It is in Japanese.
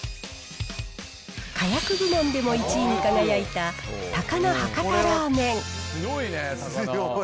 かやく部門でも１位に輝いた高菜博多ラーメン。